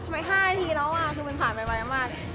ทำไม๕นาทีแล้วอ่ะคือมันผ่านไปไว้มาก